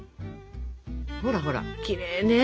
ほらほらきれいね。